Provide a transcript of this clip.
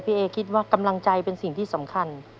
เอคิดว่ากำลังใจเป็นสิ่งที่สำคัญ